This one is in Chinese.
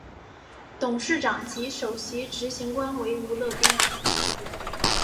董事长及首席执行官为吴乐斌。